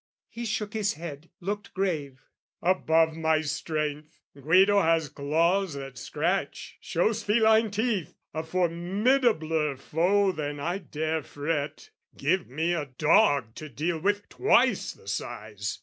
He shook his head, looked grave "Above my strength! "Guido has claws that scratch, shows feline teeth; "A formidabler foe than I dare fret: "Give me a dog to deal with, twice the size!